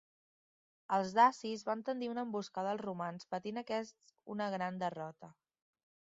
Els dacis van tendir una emboscada als romans, patint aquests una gran derrota.